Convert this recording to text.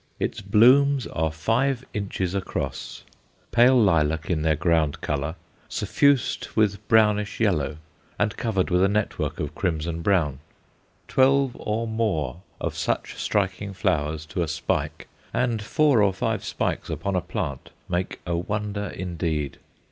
Its blooms are five inches across, pale lilac in their ground colour, suffused with brownish yellow, and covered with a network of crimson brown. Twelve or more of such striking flowers to a spike, and four or five spikes upon a plant make a wonder indeed.